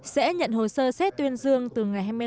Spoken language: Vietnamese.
sẽ nhận hồ sơ xét tuyên dương từ ngày hai mươi năm